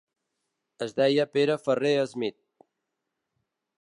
Es deia Pere Ferrer Smith.